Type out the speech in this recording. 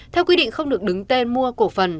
theo quy định không được đứng tên mua cổ phần